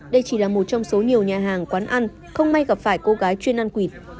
đây chỉ là một trong số nhiều nhà hàng quán ăn không may gặp phải cô gái chuyên ăn quỳt